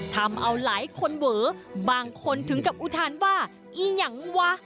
ทำเอาหลายคนเวอบางคนถึงกับอุทานว่าอียังวะ